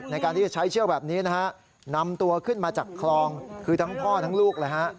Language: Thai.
ในการที่จะใช้เชือกแบบนี้นะฮะนำตัวขึ้นมาจากคลองคือทั้งพ่อทั้งลูกเลยฮะ